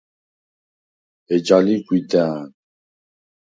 ეჯა ლი გვიდა̄ნ.